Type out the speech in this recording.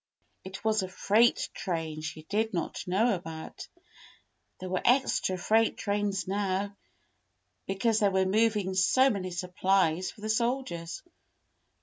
It was a freight train she did not know about. There were extra freight trains now, because they were moving so many supplies for the soldiers.